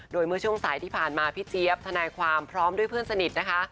โดยเมื่อช่วงสายที่ผ่านมาพี่เจี๊ยบทนายความพร้อมด้วยเพื่อนสนิทนะคะ